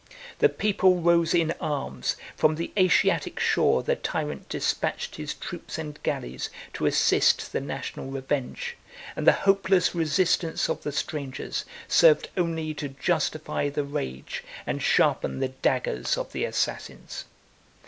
17 The people rose in arms: from the Asiatic shore the tyrant despatched his troops and galleys to assist the national revenge; and the hopeless resistance of the strangers served only to justify the rage, and sharpen the daggers, of the assassins.